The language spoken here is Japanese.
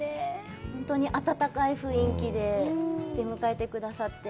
本当に温かい雰囲気で出迎えてくださって。